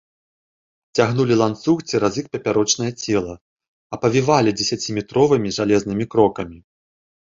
Цягнулі ланцуг цераз іх папярочнае цела, апавівалі дзесяціметровымі жалезнымі крокамі.